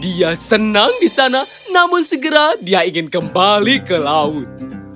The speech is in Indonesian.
dia tetap membeli uang di sana namun segera dia ingin kembali ke laut